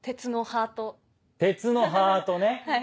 鉄のハートね。